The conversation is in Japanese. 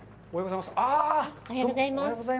おはようございます。